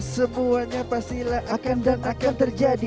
semuanya pasti akan dan akan terjadi